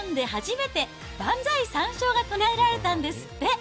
日本で初めて万歳三唱が唱えられたんですって。